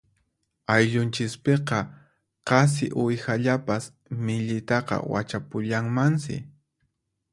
Ayllunchispiqa qasi uwihallapas millitaqa wachapullanmansi.